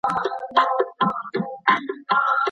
ولي هغه کسان چي د بریا تږي نه دي پرمختګ نه کوي؟